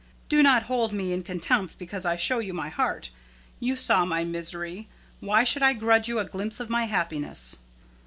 Do not hold me in contempt because I show you my heart. You saw my misery. Why should I grudge you a glimpse of my happiness?